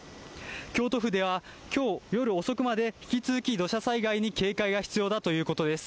京都府ではきょう夜遅くまで引き続き土砂災害に警戒が必要だということです。